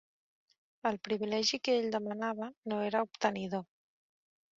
El privilegi que ell demanava no era obtenidor.